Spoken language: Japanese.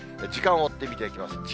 時間を追って見ていきます。